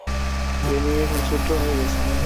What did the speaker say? এ নিয়ে খরচপত্রও হয়ে গেছে।